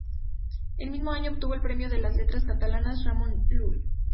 El mismo año obtuvo el premio de las Letras Catalanas Ramon Llull.